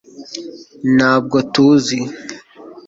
ntabwo utuzi